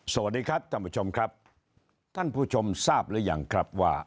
สวัสดีครับท่านผู้ชมครับท่านผู้ชมทราบหรือยังครับว่า